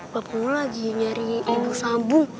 bapak lagi nyari ibu sambung